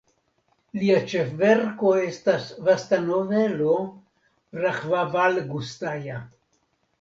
Lia ĉefverko estas vasta novelo "Rahvavalgustaja".